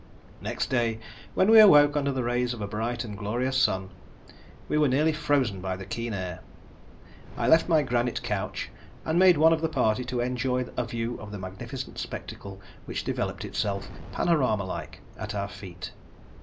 Next day, when we awoke under the rays of a bright and glorious sun, we were nearly frozen by the keen air. I left my granite couch and made one of the party to enjoy a view of the magnificent spectacle which developed itself, panorama like, at our feet.